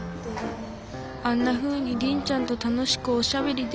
あんなふうにリンちゃんと楽しくおしゃべりできたらなぁ。